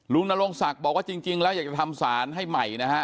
นรงศักดิ์บอกว่าจริงแล้วอยากจะทำสารให้ใหม่นะฮะ